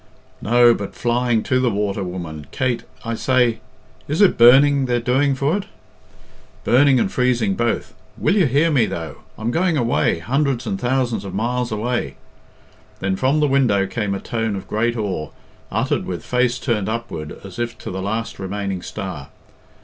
"No, but flying to the water, woman. Kate, I say " "Is it burning they're doing for it?" "Burning and freezing both. Will you hear me, though? I'm going away hundreds and thousands of miles away." Then from the window came a tone of great awe, uttered with face turned upward as if to the last remaining star.